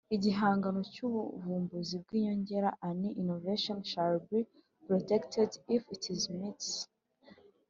Igihangano cy ubuvumbuzi bw inyongera An innovation shall be protected if it meets